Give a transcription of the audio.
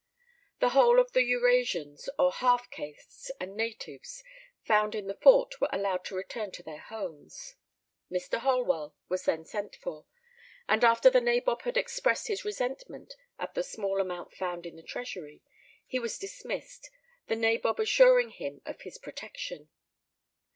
The whole of the Eurasians, or half castes, and natives found in the fort were allowed to return to their homes. Mr. Holwell was then sent for, and after the nabob had expressed his resentment at the small amount found in the treasury, he was dismissed, the nabob assuring him of his protection.